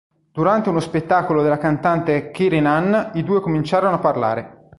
Durante uno spettacolo della cantante Keren Ann, i due cominciano a parlare.